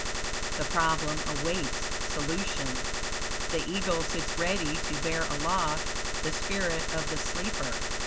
The problem awaits solution. The eagle sits ready to bear aloft the spirit of the sleeper.